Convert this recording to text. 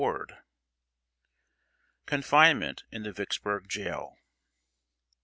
[Sidenote: CONFINEMENT IN THE VICKSBURG JAIL.